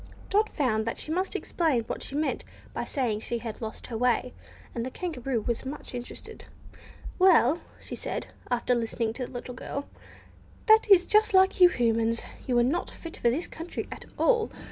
Dot found that she must explain what she meant by saying she had "lost her way," and the Kangaroo was much interested. "Well," said she, after listening to the little girl, "that is just like you Humans; you are not fit for this country at all!